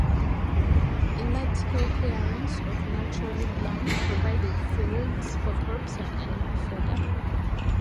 Large scale clearance of natural woodland provided fields for crops and animal fodder.